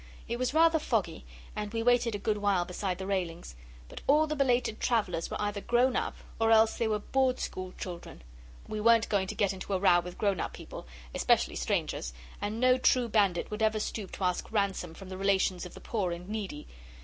It was rather foggy, and we waited a good while beside the railings, but all the belated travellers were either grown up or else they were Board School children. We weren't going to get into a row with grown up people especially strangers and no true bandit would ever stoop to ask a ransom from the relations of the poor and needy.